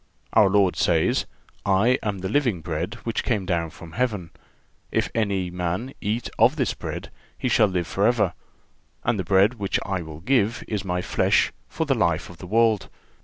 Our Lord says: "I am the living bread which came down from Heaven. If any man eat of this bread, he shall live forever; and the bread which I will give is My flesh, for the life of the world....